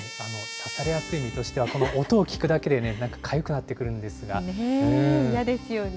刺されやすい身としては、この音を聞くだけで、なんかかゆく嫌ですよね。